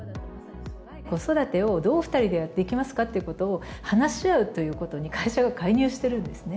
子育てをどう２人でやっていきますかということを話し合うということに会社が介入してるんですね。